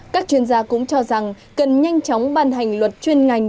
các chuyên gia cũng cho rằng cần nhanh chóng ban hành luật chuyên ngành